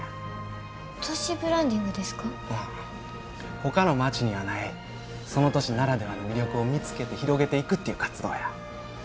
ほかの町にはないその都市ならではの魅力を見つけて広げていくっていう活動や。